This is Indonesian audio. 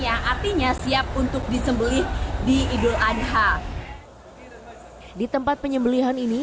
yang artinya siap untuk disembelih di idul adha di tempat penyembelihan ini